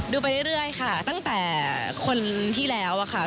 ไปเรื่อยค่ะตั้งแต่คนที่แล้วอะค่ะ